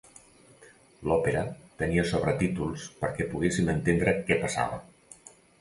L'òpera tenia sobretítols perquè poguéssim entendre què passava.